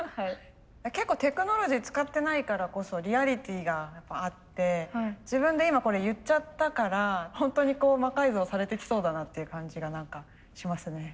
結構テクノロジー使ってないからこそリアリティーがあって自分で今これ言っちゃったからホントに魔改造されてきそうだなっていう感じが何かしますね。